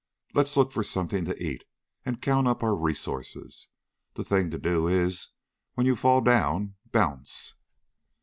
Let's look for something to eat, and count up our resources. The thing to do is, when you fall down bounce!"